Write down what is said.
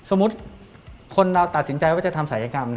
สมมุติคนเราตัดสินใจว่าจะทำศัยกรรม